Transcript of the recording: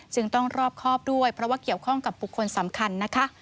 จึงต้องรอบครอบด้วยเพราะว่าเกี่ยวข้องกับบุคคลสำคัญนะคะ